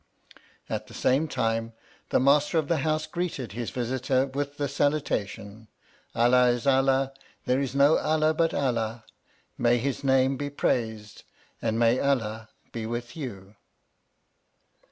At the same time the master of the house greeted his visitor with the salutation, Allah is Allah, there is no Allah but Allah, may his name be praised, and may Allah be with you